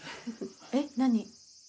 えっ何？